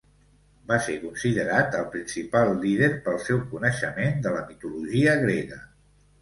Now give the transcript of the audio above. Va ser considerat el principal líder pel seu coneixement de la mitologia grega.